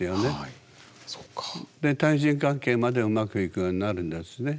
で対人関係までうまくいくようになるんですね。